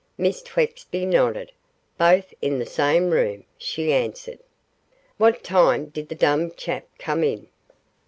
Miss Twexby nodded. 'Both in the same room,' she answered. 'What time did the dumb chap come in?